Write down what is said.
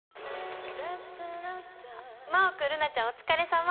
真旺君瑠菜ちゃんお疲れさま。